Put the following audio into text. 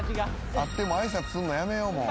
会っても挨拶すんのやめようもう。